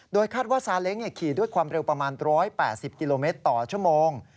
คาดว่าซาเล้งขี่ด้วยความเร็วประมาณ๑๘๐กิโลเมตรต่อชั่วโมง